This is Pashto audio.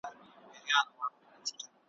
خرڅوم به یې شیدې مستې ارزاني `